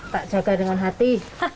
tak jaga dengan hati